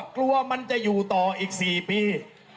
กลัวมันจะอยู่ต่ออีก๔ปี